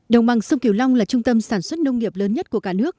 đồng bằng sông kiều long là trung tâm sản xuất nông nghiệp lớn nhất của cả nước